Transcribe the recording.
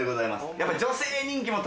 やっぱり。